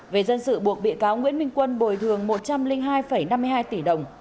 về dân sự buộc bị cáo nguyễn minh quân bồi thường một trăm linh hai năm mươi hai tỷ đồng